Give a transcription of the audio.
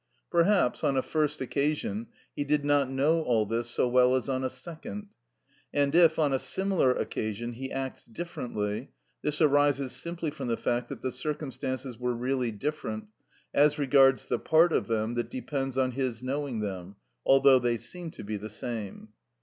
Perhaps, on a first occasion, he did not know all this so well as on a second; and if, on a similar occasion, he acts differently, this arises simply from the fact that the circumstances were really different, as regards the part of them that depends on his knowing them, although they seem to be the same.